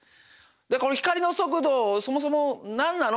この光の速度をそもそも何なの？